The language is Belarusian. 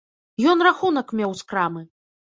Ён рахунак меў з крамы.